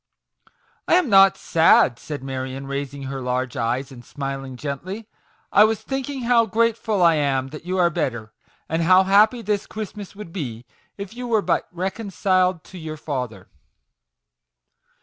"I am not sad," said Marion, raising her large eyes, and smiling gently. " I was think ing how grateful I am that you are better, and how happy this Christmas would be if you were but reconciled to your father."